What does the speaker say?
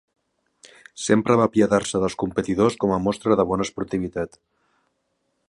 Sempre va apiadar-se dels competidors com a mostra de bona esportivitat.